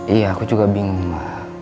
iya aku juga bingung